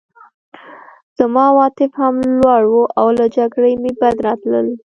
زما عواطف هم لوړ وو او له جګړې مې بد راتلل